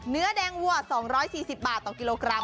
เนื้อแดงวัว๒๔๐บาทต่อกิโลกรัม